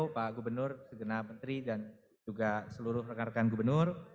pak gubernur segenap menteri dan juga seluruh rekan rekan gubernur